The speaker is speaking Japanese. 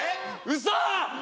ウソ！